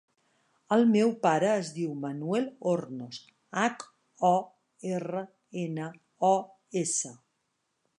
El meu pare es diu Manuel Hornos: hac, o, erra, ena, o, essa.